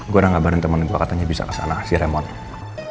gua udah ngabarin temen gua katanya bisa kesana si raymond